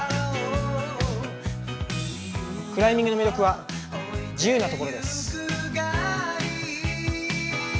クライミングの魅力は自由なところです。